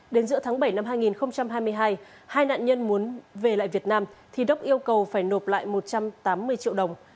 đến giữa tháng bảy năm hai nghìn hai mươi hai hai nạn nhân muốn về lại việt nam thì đốc yêu cầu phải nộp lại một trăm tám mươi triệu đồng